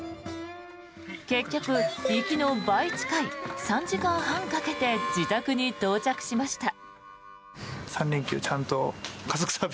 結局、行きの倍近い３時間半かけて自宅に到着しました。